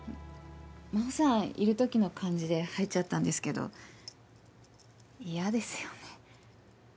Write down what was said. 真帆さんいる時の感じで入っちゃったんですけど嫌ですよね。